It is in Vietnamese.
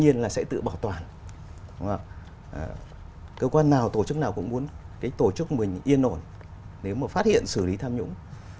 chúng ta sẽ tự bảo toàn cơ quan nào tổ chức nào cũng muốn cái tổ chức mình yên ổn nếu mà phát hiện xử lý tham nhũng